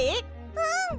うん！